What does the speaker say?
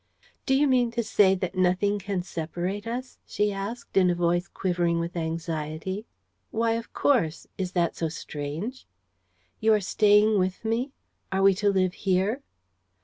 "Do you mean to say that nothing can separate us?" she asked, in a voice quivering with anxiety. "Why, of course! Is that so strange?" "You are staying with me? Are we to live here?"